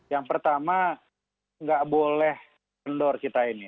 yang pertama nggak boleh kendor kita ini